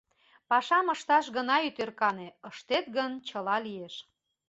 Пашам ышташ гына ит ӧркане, ыштет гын, чыла лиеш...